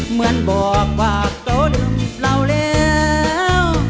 เหมือนบอกว่าตัวดื่มเปล่าแล้ว